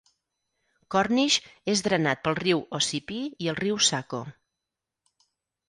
Cornish és drenat pel riu Ossipee i el riu Saco.